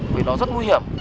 vì nó rất nguy hiểm